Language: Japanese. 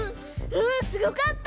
うんすごかった！